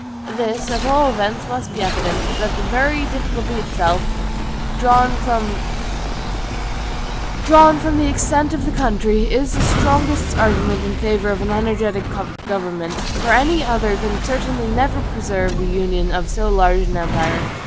This, at all events, must be evident, that the very difficulty itself, drawn from the extent of the country, is the strongest argument in favor of an energetic government; for any other can certainly never preserve the Union of so large an empire.